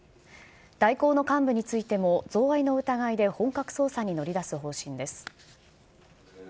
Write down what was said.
大広の幹部についても、贈賄の疑いで本格捜査に乗り出す方針です。